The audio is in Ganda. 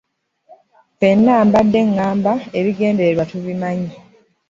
Ffenna mbadde ŋŋamba ebigendererwa tubimanyi.